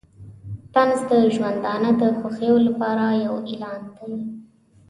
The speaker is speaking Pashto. طنز د ژوندانه د خوښیو لپاره یو اعلان دی.